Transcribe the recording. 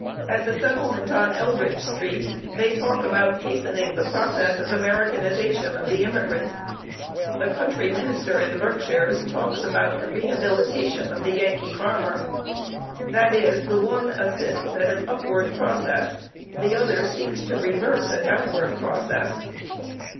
At the settlement on Eldridge Street they talk about hastening the process of Americanization of the immigrant; the country minister in the Berkshires talks about the rehabilitation of the Yankee farmer. That is, the one assists at an upward process, the other seeks to reverse a downward process.